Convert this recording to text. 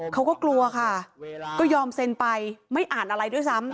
เขาก็กลัวค่ะก็ยอมเซ็นไปไม่อ่านอะไรด้วยซ้ำ